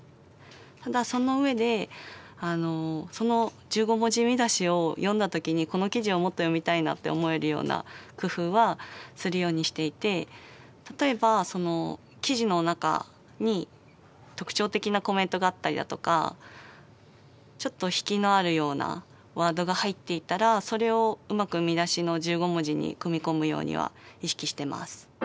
ただその上でその１５文字見出しを読んだ時にこの記事をもっと読みたいなって思えるような工夫はするようにしていて例えば記事の中に特徴的なコメントがあったりだとかちょっとひきのあるようなワードが入っていたらそれをうまく見出しの１５文字に組み込むようには意識してます。